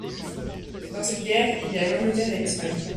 dans cette guerre il y a l'Angleterre et l'Espagne.